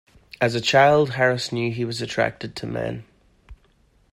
As a child, Harris knew he was attracted to men.